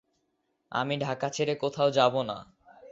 আমি ঢাকা ছেড়ে কোথাও যাব না।